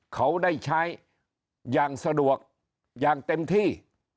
เขาได้ใช้อย่างสะดวกอย่างเต็มที่